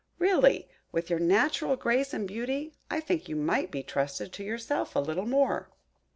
Really, with your natural grace and beauty, I think you might be trusted to yourself a little more!"